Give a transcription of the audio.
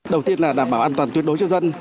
đầu tiên là đảm bảo an toàn tuyệt đối cho dân